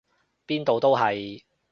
邊度都係！